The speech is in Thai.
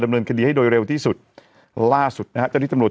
เนินคดีให้โดยเร็วที่สุดล่าสุดนะฮะเจ้าที่ตำรวจ